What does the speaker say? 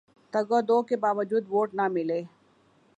تگ و دو کے باوجود ووٹ نہ ملے